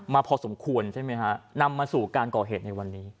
มาพอสมควรใช่ไหมนำมาสู่การเกาะเหตุในนี้